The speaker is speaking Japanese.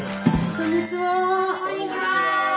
こんにちは。